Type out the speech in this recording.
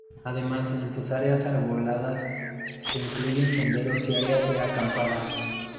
Además en sus áreas arboladas, se incluyen senderos y áreas de acampada.